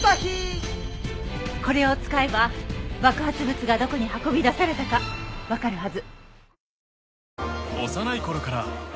これを使えば爆発物がどこに運び出されたかわかるはず。